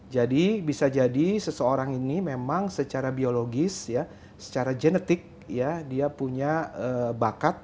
jadi bisa jadi seseorang ini memang secara biologis secara genetik ya dia punya bakat